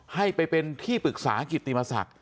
ให้ไปเป็นที่ปรึกษากิติมศักดิ์